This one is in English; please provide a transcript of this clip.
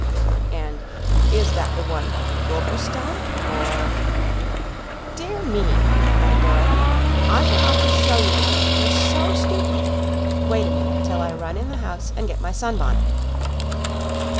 "And is that the one by the gopher stump, or " "Dear me!" cried Dorothy. "I shall have to show you the way, you're so stupid. Wait a minute till I run in the house and get my sunbonnet."